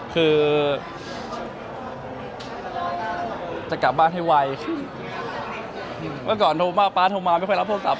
คือจะกลับบ้านให้ไวเมื่อก่อนโทรมาป๊าโทรมาไม่ค่อยรับโทรศัพ